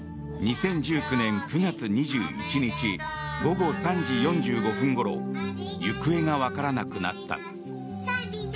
２０１９年９月２１日午後３時４５分ごろ行方がわからなくなった。